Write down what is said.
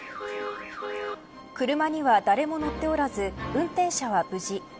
車には誰も乗っておらず運転者は無事。